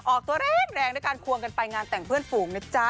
ออกตัวแรงด้วยการควงกันไปงานแต่งเพื่อนฝูงนะจ๊ะ